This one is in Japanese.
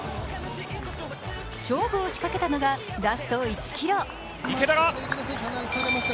勝負を仕掛けたのがラスト１ｋｍ。